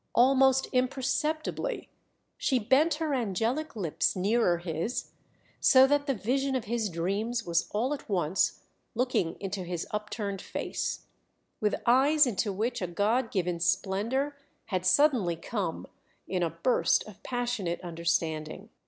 Almost imperceptibly she bent her angelic lips nearer his, so that the vision of his dreams was all at once looking into his upturned face, with eyes into which a God given splendour had suddenly come in a burst of passionate understanding.